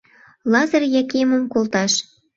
Лазыр Якимым колташ!